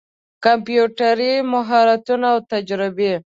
کمپيوټري مهارتونه او تجربې